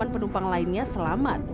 lima puluh delapan penumpang lainnya selamat